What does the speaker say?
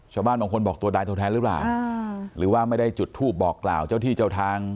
ชาวบ้านบางคนบอกตัวใดตัวแทนหรือเปล่าหรือว่าไม่ได้จุดทูปบอกกล่าวเจ้าที่เจ้าทาง